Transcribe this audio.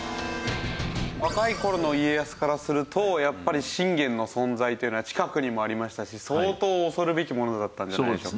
若い頃の家康からするとやっぱり信玄の存在というのは近くにもありましたし相当恐るべきものだったんじゃないでしょうか？